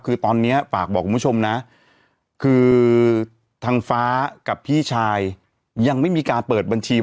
คือตอนนี้ฝากบอกคุณผู้ชมนะคือทางฟ้ากับพี่ชายยังไม่มีการเปิดบัญชี